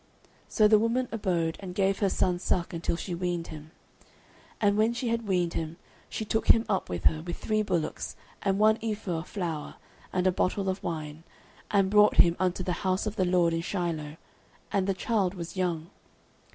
So the woman abode, and gave her son suck until she weaned him. 09:001:024 And when she had weaned him, she took him up with her, with three bullocks, and one ephah of flour, and a bottle of wine, and brought him unto the house of the LORD in Shiloh: and the child was young.